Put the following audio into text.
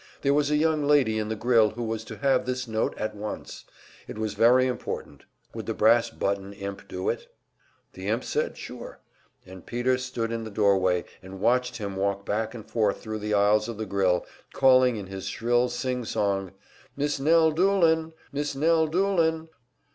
There was a young lady in the grill who was to have this note at once. It was very important. Would the brass button imp do it? The imp said sure, and Peter stood in the doorway and watched him walk back and forth thru the aisles of the grill, calling in his shrill sing song, "Miss Nell Doolin! Miss Nell Doolin!"